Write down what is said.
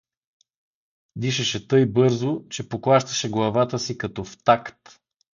Дишаше тьй бързо, че поклащаше главата си като в такт.